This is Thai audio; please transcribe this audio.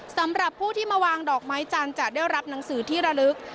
สำหรับผู้ที่มาวางดอกไม้จันทร์จะได้รับหนังสือที่ระลึก